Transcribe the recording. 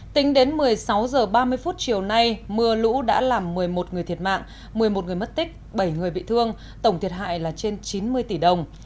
tính đến một mươi sáu h ba mươi chiều nay mưa lũ đã làm một mươi một người thiệt mạng một mươi một người mất tích bảy người bị thương tổng thiệt hại là trên chín mươi tỷ đồng